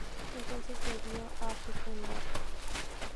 Entonces volvió a África en barco.